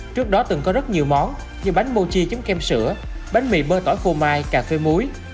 trước đó từng có rất nhiều món như bánh mochi chấm kèm sữa bánh mì bơ tỏi phô mai cà phê muối